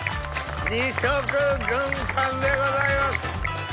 ２色軍艦でございます！